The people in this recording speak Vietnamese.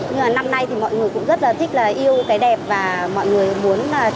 nhưng mà năm nay thì mọi người cũng rất là thích yêu cái đẹp và mọi người muốn trong nhà tết